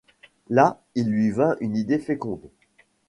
Là, il lui vint une idée féconde.